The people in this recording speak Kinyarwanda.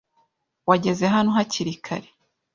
Wageze hano hakiri kare.